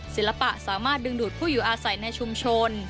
ศิลปะสามารถดึงดูดผู้อยู่อาศัยในชุมชน